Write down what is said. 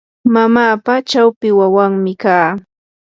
mamapa chawpi wawanmi kaa.